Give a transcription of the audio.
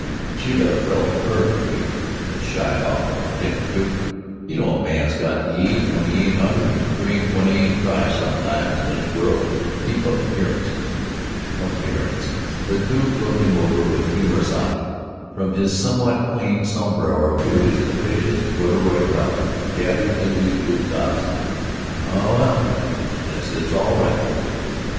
"She'd 'a' felt hurt if we'd 'a' shied off from her dinner, Duke. You know a man's got to eat when he ain't hungry and drink when he ain't dry sometimes in this world to keep up appearances." "Appearances!" The Duke looked him over with humorous eye, from his somewhat clean sombrero to his capacious corduroy trousers gathered into his boot tops. "Oh, well, I guess it's all right."